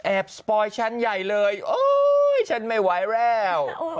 สปอยชั้นใหญ่เลยโอ๊ยฉันไม่ไหวแล้ว